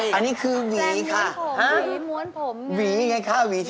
ขอโทษนะครับค่ะอันนี้พอจะเข้าใจ